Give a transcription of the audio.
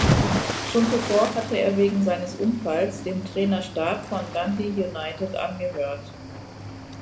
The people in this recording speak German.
Schon zuvor hatte er wegen seines Unfalls dem Trainerstab von Dundee United angehört.